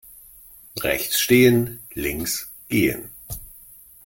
Rechts stehen, links gehen.